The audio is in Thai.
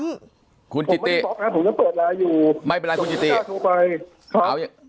ผมไม่ได้บอกนะผมยังเปิดร้ายอยู่ไม่เป็นไรคุณจิติครับ